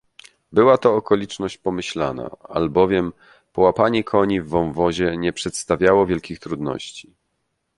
Była to okoliczność pomyślna, albowiem połapanie koni w wąwozie nie przedstawiało wielkich trudności.